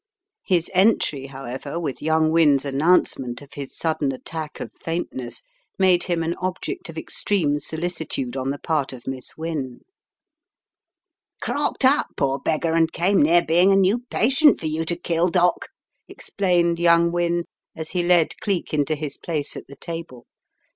His entry, however, with young Wynne's an nouncement of his sudden attack of faintness, made him an object of extreme solicitude on the part of Miss Wynne. "Crocked up, poor beggar, and came near being a new patient for you to kill, doc," explained young Wynne, as he led Cleek into his place at the table.